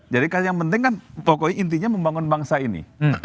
jadi yang penting kan pokoknya intinya membangun bangsa ini